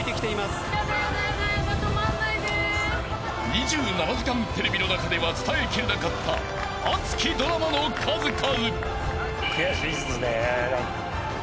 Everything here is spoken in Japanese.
［『２７時間テレビ』の中では伝えきれなかった熱きドラマの数々］